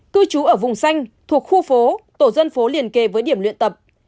cư trú ở vùng xanh thuộc khu phố tổ dân phố liền kề với điểm luyện tập